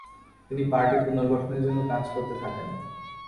তিনি পার্টি পুনর্গঠনের জন্য কাজ করতে থাকেন।